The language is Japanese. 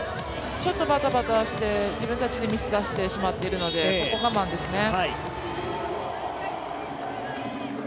ちょっとバタバタして自分たちでミスを出してしまっているのでここ、我慢ですね。